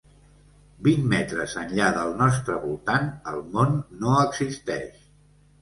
Vint metres enllà del nostre voltant el món no existeix.